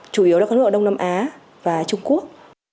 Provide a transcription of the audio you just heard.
chủ yếu là các nước ở đông nam á và trung quốc